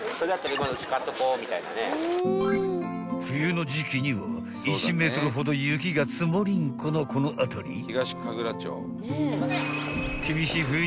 ［冬の時季には１ｍほど雪が積もりんこのこの辺り］